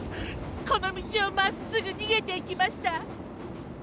この道をまっすぐにげていきました。